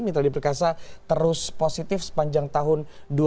mitra ali perkasa terus positif sepanjang tahun dua ribu tujuh belas